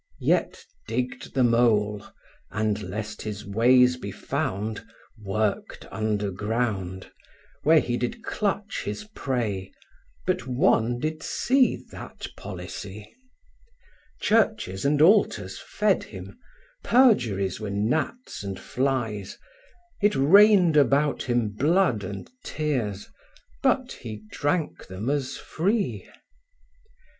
Yet digg'd the mole, and lest his ways be found Work'd under ground, Where he did clutch his prey, but one did see That policy, Churches and altars fed him, perjuries Were gnats and flies, It rain'd about him blood and tears, but he Drank them as free.